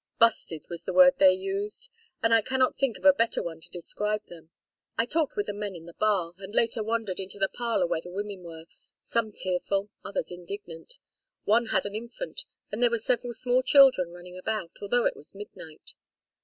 "'Busted,' was the word they used, and I cannot think of a better one to describe them. I talked with the men in the bar, and later wandered into the parlor where the women were, some tearful, others indignant. One had an infant, and there were several small children running about, although it was midnight.